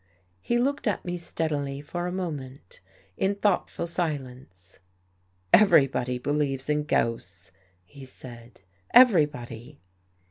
He looked at me steadily for a moment, in thoughtful silence. " Everybody believes in ghosts," he said. " Everybody!